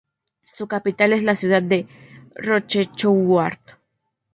Su capital es la ciudad de Rochechouart.